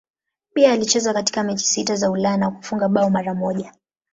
Pia alicheza katika mechi sita za Ulaya na kufunga bao mara moja.